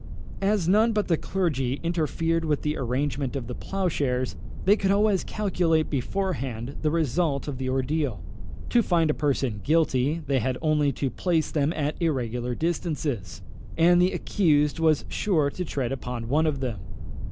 As none but the clergy interfered with the arrangement of the ploughshares, they could always calculate beforehand the result of the ordeal. To find a person guilty, they had only to place them at irregular distances, and the accused was sure to tread upon one of them.